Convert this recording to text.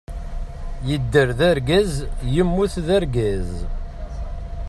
Yedder d argaz, yemmut d argaz.